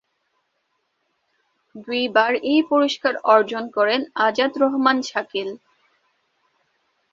দুইবার এই পুরস্কার অর্জন করেন আজাদ রহমান শাকিল।